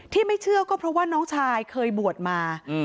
ไม่เชื่อก็เพราะว่าน้องชายเคยบวชมา